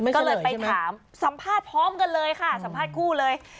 ก็เลยไปถามสัมภาษณ์พร้อมกันเลยค่ะสัมภาษณ์คู่เลย